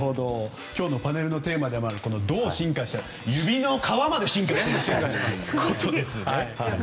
今日のパネルのテーマでもあるどう進化した？って指の皮まで進化したということですね。